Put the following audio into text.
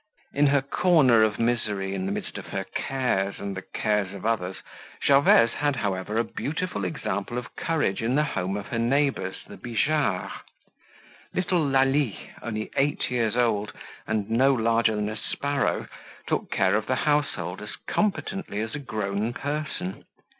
In her corner of misery, in the midst of her cares and the cares of others, Gervaise had, however, a beautiful example of courage in the home of her neighbors, the Bijards. Little Lalie, only eight years old and no larger than a sparrow, took care of the household as competently as a grown person.